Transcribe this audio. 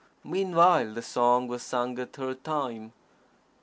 Meanwhile the song was sung a third time.